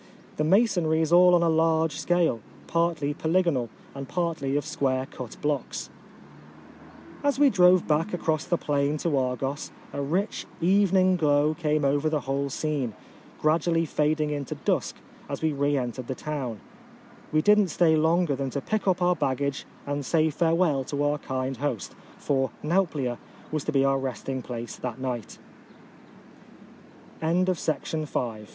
The masonry is all on a large scale, partly polygonal, and partly of square cut blocks. As we drove back across the plain to Argos a rich evening glow came over the whole scene, gradually fading into dusk as we re entered the town. We did not stay longer than to pick up our baggage and say farewell to our kind host, for Nauplia was to be our resting place that night. VI. TIRYNS AXD NAUPLIA.